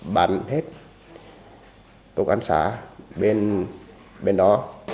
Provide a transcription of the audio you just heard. bắn hết tục ánh xã bên đó